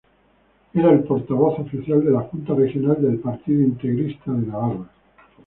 Era el portavoz oficial de la Junta Regional del Partido Integrista de Navarra.